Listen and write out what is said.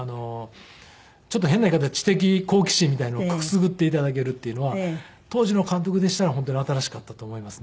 ちょっと変な言い方知的好奇心みたいなのをくすぐって頂けるっていうのは当時の監督でしたら本当に新しかったと思いますね。